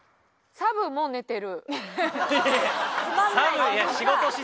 サブも寝ている。